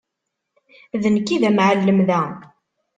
D nekk i d amεellem da.